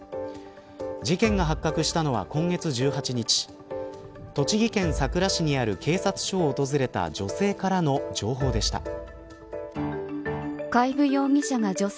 事件が発覚したのは今月１８日栃木県さくら市にある警察署を訪れた女性からの情報でした。